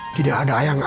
ini semua kenyataan saya